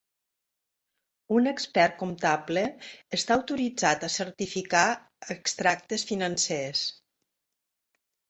Un expert comptable està autoritzat a certificar extractes financers.